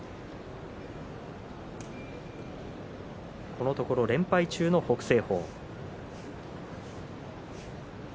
このところ連敗中の北青鵬。